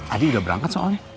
adi udah berangkat soalnya